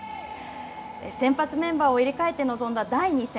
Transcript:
先発メンバーを入れ替えて臨んだ第２戦。